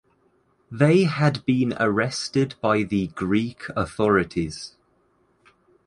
They had been arrested by the Greek authorities.